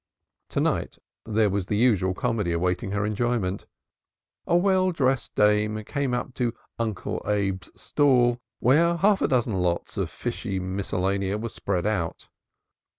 To night there was the usual comedy awaiting her enjoyment. A well dressed dame came up to "Uncle Abe's" stall, where half a dozen lots of fishy miscellanaea were spread out.